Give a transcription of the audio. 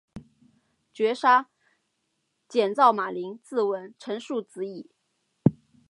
绝杀，减灶马陵自刎，成竖子矣